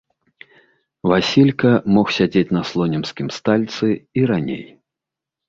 Васілька мог сядзець на слонімскім стальцы і раней.